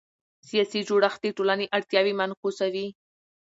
سیاسي جوړښت د ټولنې اړتیاوې منعکسوي